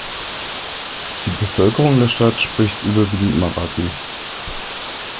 Die Bevölkerung der Stadt spricht überwiegend Marathi.